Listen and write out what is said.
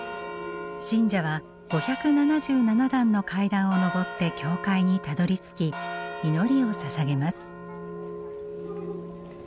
信者は５７７段の階段を上って教会にたどりつき祈りをささげます。